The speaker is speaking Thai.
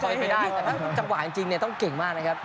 อันนี้พอไม่ได้แต่ถ้าจำหวะจริงต้องเก่งมากนะครับ